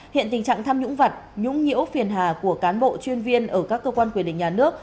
hiện tình trạng tham nhũng vật nhũng nhiễu phiền hà của cán bộ chuyên viên ở các cơ quan quyền định nhà nước